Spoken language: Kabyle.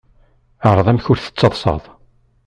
Ԑreḍ amek ur tettaḍsaḍ.